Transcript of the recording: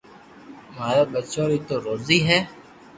ماري ٻچو ري تو روزي ھي